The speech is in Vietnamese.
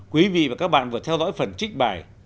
quý vị và các bạn vừa theo dõi phần trích bài